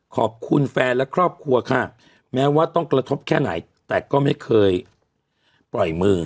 ขอบคุณแฟนและครอบครัวค่ะแม้ว่าต้องกระทบแค่ไหนแต่ก็ไม่เคยปล่อยมือ